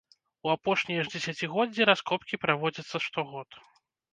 У апошнія ж дзесяцігоддзі раскопкі праводзяцца штогод.